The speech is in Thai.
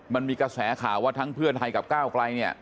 มันมีกระแสข่าวว่าทั้งเพื่อไทยกับก้าวไกลเนี่ย